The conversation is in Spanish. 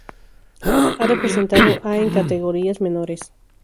Ha representado a e en categorías menores.